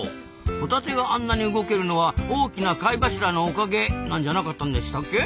ホタテがあんなに動けるのは大きな貝柱のおかげなんじゃなかったんでしたっけ？